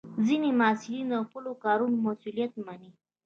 ځینې محصلین د خپلو کارونو مسؤلیت مني.